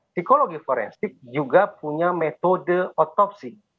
psikologi forensik juga punya metode otopsi